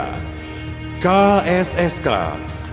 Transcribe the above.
kwm lfr adalah pengaturan tentang rasio penyaluran kredit